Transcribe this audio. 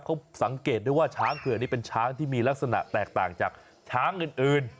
เขาสังเกตได้ว่าช้างเผื่อนี้เป็นช้างที่มีลักษณะแตกต่างจากช้างอื่น